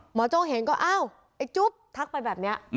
โจ้เห็นก็อ้าวไอ้จุ๊บทักไปแบบนี้